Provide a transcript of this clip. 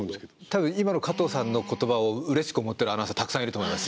たぶん今の加藤さんの言葉をうれしく思ってるアナウンサーはたくさんいると思います。